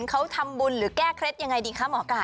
เขาทำบุญหรือแก้เคล็ดยังไงดีคะหมอไก่